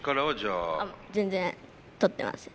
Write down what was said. あ全然とってません。